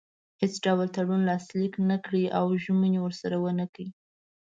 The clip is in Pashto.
هیڅ ډول تړون لاسلیک نه کړي او ژمنې ورسره ونه کړي.